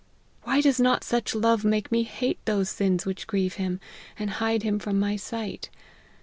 Why does not such love make me hate those sins which grieve him, and hide him from my sight